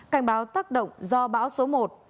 cảnh báo tác động do bão số một